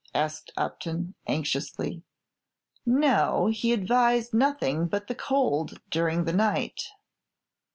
asked Upton, anxiously. "No; he advised nothing but the cold during the night."